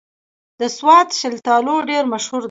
د سوات شلتالو ډېر مشهور دي